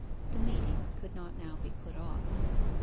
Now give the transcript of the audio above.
The meeting could not now be put off.